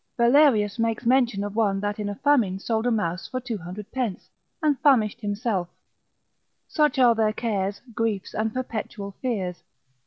Valerius makes mention of one that in a famine sold a mouse for 200 pence, and famished himself: such are their cares, griefs and perpetual fears.